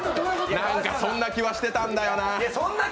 なんかそんな気はしてたんだよな。